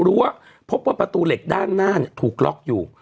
รู้ว่าพบว่าประตูเหล็กด้านหน้าถูกล็อกอยู่